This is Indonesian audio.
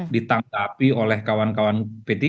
ditanggapi oleh kawan kawan p tiga